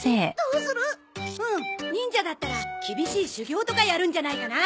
うん忍者だったら厳しい修行とかやるんじゃないかな？